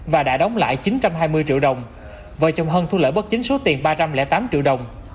và đã đóng lại chín trăm hai mươi triệu đồng vợ chồng hân thu lỡ bất chính số tiền ba trăm linh tám triệu đồng